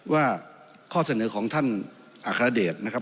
ว่าข้อเสนอของท่านอัครเดชนะครับ